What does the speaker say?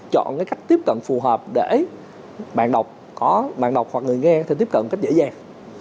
chọn cái cách tiếp cận phù hợp để bạn đọc có bạn đọc hoặc người nghe thì tiếp cận cách dễ dàng